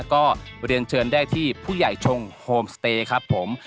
ก็เรียนเชิญได้ที่ผู้ใหญ่ชงโฮมสเตย์ครับผม